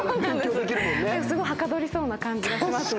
すごいはかどりそうな感じがしますね。